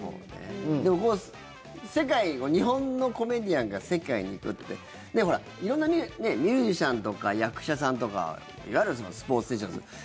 でも日本のコメディアンが世界に行くってほら、色んなミュージシャンとか役者さんとかいわゆるスポーツ選手だったり。